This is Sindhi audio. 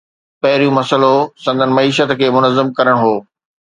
پهريون مسئلو سندن معيشت کي منظم ڪرڻ هو.